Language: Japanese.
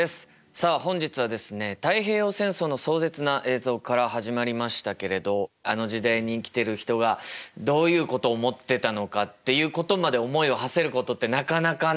さあ本日はですね太平洋戦争の壮絶な映像から始まりましたけれどあの時代に生きてる人がどういうことを思ってたのかっていうことまで思いをはせることってなかなかね。